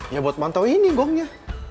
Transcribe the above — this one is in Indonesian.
ya buat mantau ini gongnya